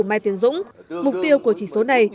mai tiến dũng mục tiêu của chỉ số này